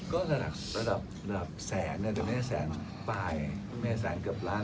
ก็ระดับแสนแต่ไม่ได้แสนปลายไม่ได้แสนเกือบล้าน